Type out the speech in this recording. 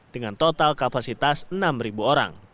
dengan total kapasitas enam orang